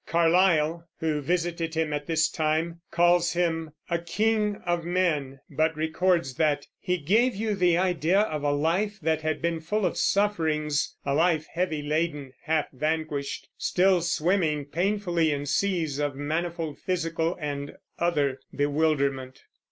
Carlyle, who visited him at this time, calls him "a king of men," but records that "he gave you the idea of a life that had been full of sufferings, a life heavy laden, half vanquished, still swimming painfully in seas of manifold physical and other bewilderment."